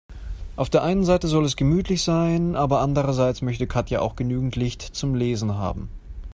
Auf der einen Seite soll es gemütlich sein, aber andererseits möchte Katja auch genügend Licht zum Lesen haben.